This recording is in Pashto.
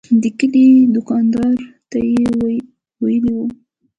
د کلي دوکاندار ته یې ویلي و.